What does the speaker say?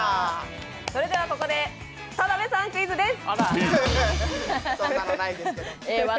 それではここで田辺さんクイズです。